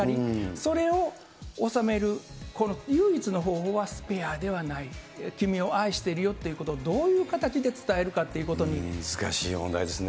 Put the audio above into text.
それを収めるこの唯一の方法はスペアではない、君を愛しているよということをどういう形で伝える難しい問題ですね。